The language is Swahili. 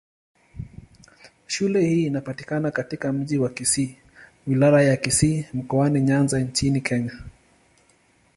Shule hii inapatikana katika Mji wa Kisii, Wilaya ya Kisii, Mkoani Nyanza nchini Kenya.